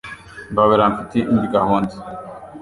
Mbabarira. Mfite indi gahunda.